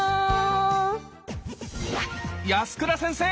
安倉先生！